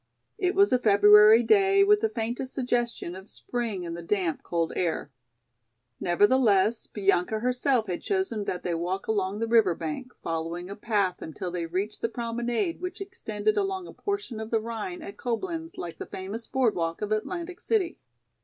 It was a February day with the faintest suggestion of spring in the damp, cold air. Nevertheless, Bianca herself had chosen that they walk along the river bank, following a path until they reached the promenade which extended along a portion of the Rhine at Coblenz like the famous board walk of Atlantic City.